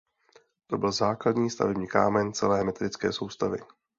To byl základní stavební kámen celé metrické soustavy.